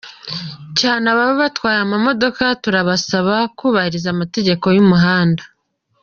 cyane ababa batwaye amamodoka, turabasaba kubahiriza amategeko yumuhanda.